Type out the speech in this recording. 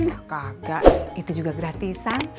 gak gak itu juga gratisan